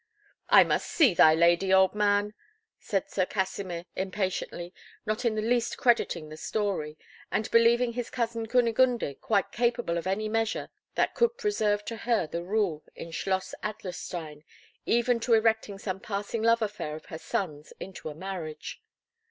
"I must see thy lady, old man," said Sir Kasimir, impatiently, not in the least crediting the story, and believing his cousin Kunigunde quite capable of any measure that could preserve to her the rule in Schloss Adlerstein, even to erecting some passing love affair of her son's into a marriage.